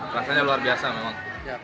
rasanya luar biasa memang